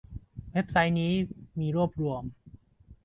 เว็บไซต์นี้มีรวบรวม